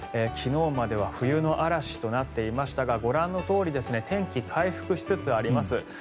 昨日までは冬の嵐となっていましたがご覧のとおり天気、回復しつつあります。